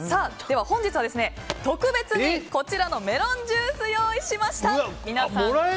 本日は特別にこちらのメロンジュースを用意しました。